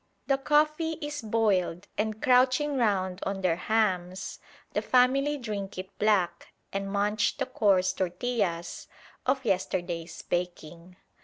The coffee is boiled, and, crouching round on their hams, the family drink it black and munch the coarse tortillas of yesterday's baking.